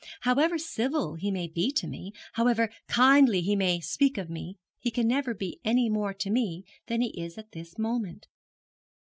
However civil he may be to me, however kindly he may speak of me, he can never be any more to me than he is at this moment.'